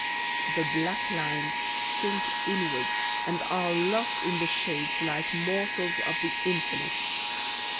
The black lines sink inwards and are lost in the shades, like morsels of the infinite.